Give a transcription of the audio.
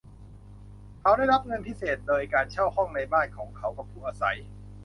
เขาได้รับเงินพิเศษโดยการเช่าห้องในบ้านของเขากับผู้อาศัย